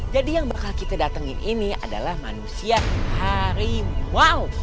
jadi yang bakal kita datengin ini adalah manusia harimau